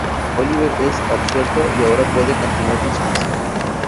Oliver es absuelto y ahora puede continuar con su misión.